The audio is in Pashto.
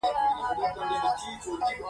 پلار د کور نظم ساتي.